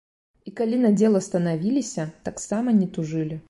І калі на дзела станавіліся, таксама не тужылі.